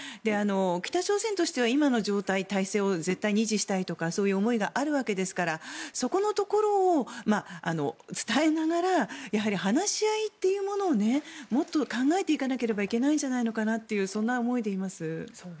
北朝鮮としては今の状態、体制を絶対に維持したいとかそういう思いがあるわけですからそこのところを伝えながらやはり話し合いというものをもっと考えていかなければいけないんじゃないかなとそんな思いでいます。